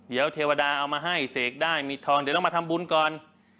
เดี๋ยวเทวดาเอามาให้เสกได้มีทองเดี๋ยวเรามาทำบุญก่อน